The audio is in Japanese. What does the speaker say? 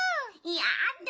やだ